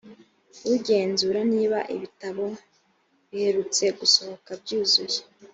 ugenzura niba ibitabo biherutse gusohoka byuzuye.